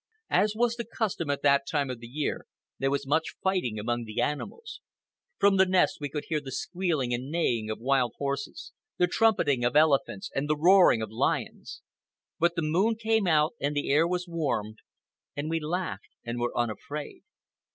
As was the custom at that time of the year, there was much fighting among the animals. From the nest we could hear the squealing and neighing of wild horses, the trumpeting of elephants, and the roaring of lions. But the moon came out, and the air was warm, and we laughed and were unafraid.